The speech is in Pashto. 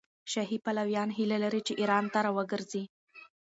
شاهي پلویان هیله لري چې ایران ته راوګرځي.